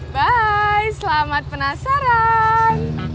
bye selamat penasaran